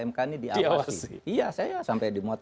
mk ini diawas iya saya sampai dimuat